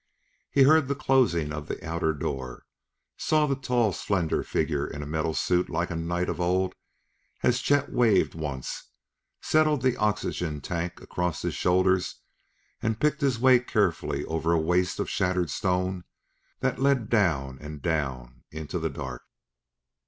He heard the closing of the outer door; saw the tall, slender figure in a metal suit like a knight of old as Chet waved once, settled the oxygen tank across his shoulders and picked his way carefully over a waste of shattered stone that led down and down into the dark.